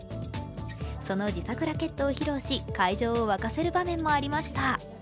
その自作ラケットを披露し、会場をわかせる場面もありました。